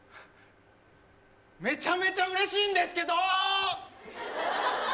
めちゃめちゃ嬉しいんですけど！